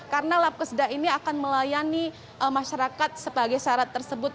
karena lab kesedah ini akan melayani masyarakat sebagai syarat tersebut